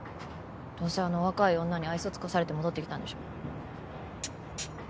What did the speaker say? どうせあの若い女に愛想尽かされて戻ってきたんでしょ